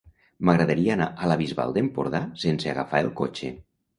M'agradaria anar a la Bisbal d'Empordà sense agafar el cotxe.